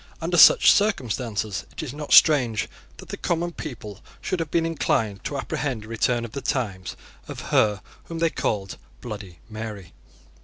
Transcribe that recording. Under such circumstances it is not strange that the common people should have been inclined to apprehend a return of the times of her whom they called Bloody Mary.